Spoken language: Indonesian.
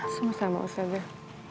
semua sama ustazah